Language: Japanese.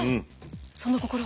その心は？